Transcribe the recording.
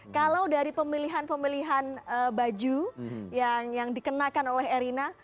kalau dari pemilihan pemilihan baju yang dikenakan oleh erina